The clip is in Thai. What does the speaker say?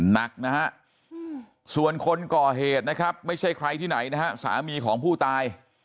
หนักนะฮะส่วนคนก่อเหตุนะครับไม่ใช่ใครที่ไหนนะฮะสามีของผู้ตาย